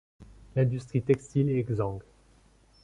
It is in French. L’industrie textile est exsangue.